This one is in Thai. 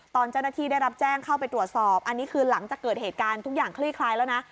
ตอนเจ้าหน้าที่ได้รับแจ้งเข้าไปตรวจสอบอันนี้คือหลังจากเกิดเหตุการณ์ทุกอย่างคลี่คลายแล้วนะ